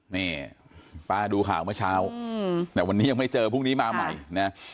นี่ป้าดูข่าวเมื่อเช้าแต่วันนี้ยังไม่เจอพรุ่งนี้มาใหม่นะ